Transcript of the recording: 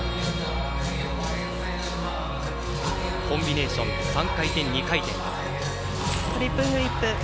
コンビネーション３回転、２回転。